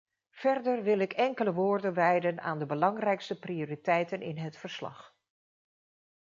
Verder wil ik enkele woorden wijden aan de belangrijkste prioriteiten in het verslag.